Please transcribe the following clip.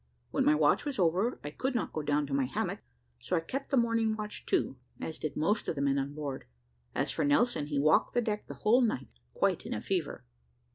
When my watch was over, I could not go down to my hammock, so I kept the morning watch too, as did most of the men on board: as for Nelson, he walked the deck the whole night, quite in a fever.